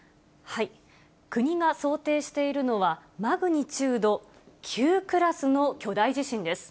国が想定しているのは、マグニチュード９クラスの巨大地震です。